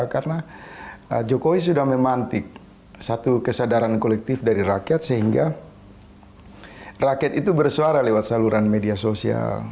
karena jokowi sudah memantik satu kesadaran kolektif dari rakyat sehingga rakyat itu bersuara lewat saluran media sosial